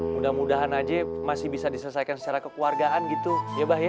mudah mudahan aja masih bisa diselesaikan secara kekeluargaan gitu ya bah ya